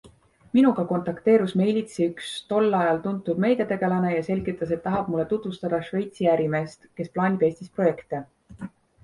Minuga kontakteerus meilitsi üks tol ajal tuntud meediategelane ja selgitas, et tahab mulle tutvustada Šveitsi ärimeest, kes plaanib Eestis projekte.